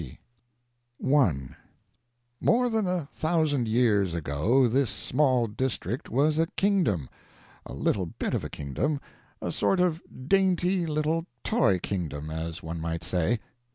T.] More than a thousand years ago this small district was a kingdom a little bit of a kingdom, a sort of dainty little toy kingdom, as one might say.